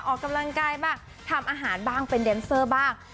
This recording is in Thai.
ออกกำลังกายบ้างทำอาหารบ้างเป็นแดนเซอร์บ้าง